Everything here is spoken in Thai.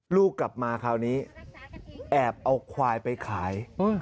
ลูกกลับมาคราวนี้แอบเอาควายไปขาย